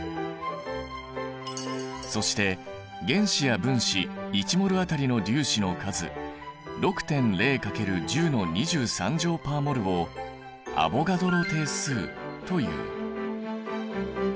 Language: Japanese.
そして原子や分子１ｍｏｌ当たりの粒子の数６．０×１０の２３乗／ｍｏｌをアボガドロ定数という。